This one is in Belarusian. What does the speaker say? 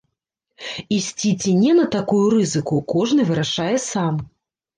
Ісці ці не на такую рызыку, кожны вырашае сам.